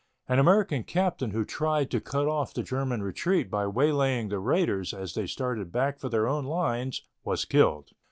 An American captain who tried to cut off the German retreat by waylaying the raiders as they started back for their own lines was killed.